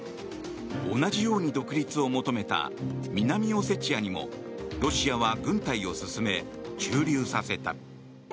同じように独立を求めた南オセチアにもロシアは軍隊を進め駐留させた。